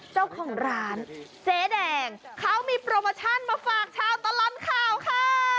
เจ้าของร้านเจ๊แดงเขามีโปรโมชั่นมาฝากชาวตลอดข่าวค่ะ